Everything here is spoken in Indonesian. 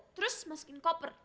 terus masukin koper